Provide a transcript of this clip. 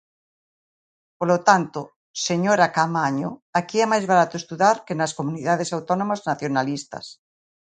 Polo tanto, señora Caamaño, aquí é máis barato estudar que nas comunidades autónomas nacionalistas.